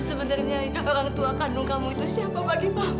sebenarnya orang tua kandung kamu itu siapa bagi mama